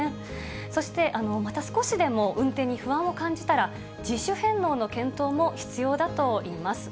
そして、また少しでも運転に不安を感じたら、自主返納の検討も必要だといいます。